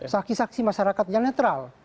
saksi saksi masyarakat yang netral